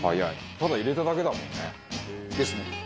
ただ入れただけだもんね。ですね。